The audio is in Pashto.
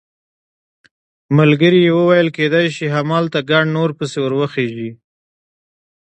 ملګري یې وویل کېدای شي همالته ګڼ نور پسې ور وخېژي.